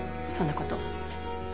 そんなこと。